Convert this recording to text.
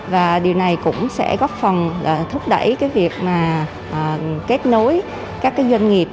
và điều này cũng sẽ góp phần là thúc đẩy cái việc mà kết nối các cái doanh nghiệp